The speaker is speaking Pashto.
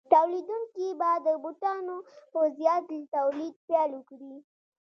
تولیدونکي به د بوټانو په زیات تولید پیل وکړي